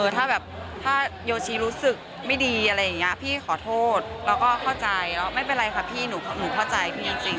ถ้าโยชิรู้สึกไม่ดีพี่ขอโทษแล้วก็เข้าใจแล้วไม่เป็นไรค่ะพี่หนูเข้าใจพี่จริง